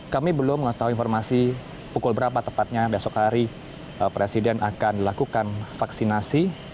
kami belum mengetahui informasi pukul berapa tepatnya besok hari presiden akan dilakukan vaksinasi